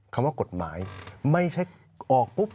คำว่ากฎหมายไม่ใช่ออกปุ๊บ